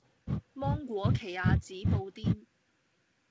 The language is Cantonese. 芒果奇亞籽布甸